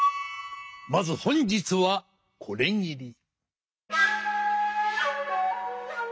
まず本日はこれぎり。